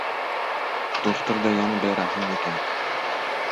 Do‘xtir degani berahm ekan.